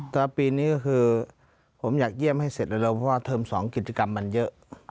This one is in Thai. ก็ปีนี้ก็คือผมอยากเยี่ยมให้เสร็จเร็วเพราะว่าเทอม๒กิจกรรมมันเยอะ